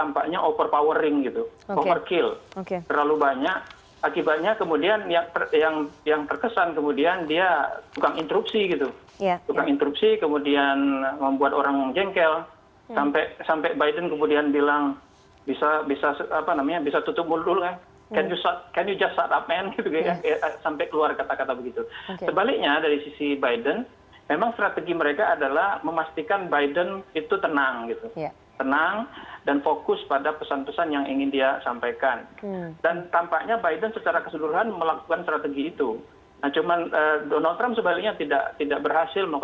tampaknya overpowering gitu overkill terlalu banyak akibatnya kemudian yang terkesan kemudian dia tukang interupsi gitu tukang interupsi kemudian membuat orang jengkel sampai biden kemudian bilang bisa tutup mulut kan can you just shut up man gitu ya sampai keluar kata kata begitu